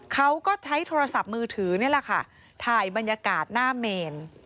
เขาก็ใช้โทรศัพท์มือถือนี่แหละค่ะถ่ายบรรยากาศหน้าเมน